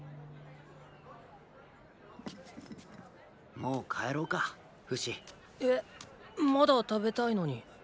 もう帰ろうかフシ。えまだ食べたいのに。